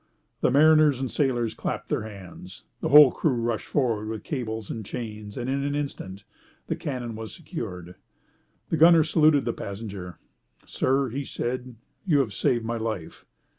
The mariners and sailors clapped their hands. The whole crew rushed forward with cables and chains, and in an instant the cannon was secured. The gunner saluted the passenger. "Sir," he said, "you have saved my life."